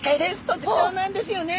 特徴なんですよね。